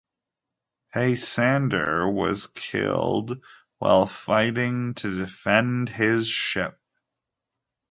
Peisander was killed while fighting to defend his ship.